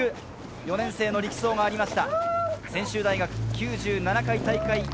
４年生の力走がありました。